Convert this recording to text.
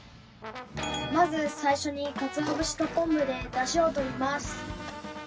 まず最初にかつお節と昆布で出汁を取ります。